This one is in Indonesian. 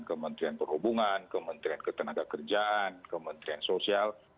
kementerian perhubungan kementerian ketenagakerjaan kementerian sosial